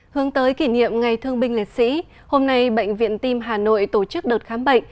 hướng tới kỷ niệm ngày thương binh liệt sĩ hôm nay bệnh viện tim hà nội tổ chức đợt khám bệnh